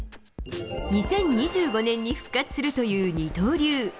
２０２５年に復活するという二刀流。